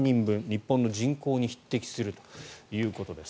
日本の人口に匹敵するということです。